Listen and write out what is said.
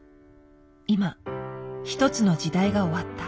今一つの時代が終わった。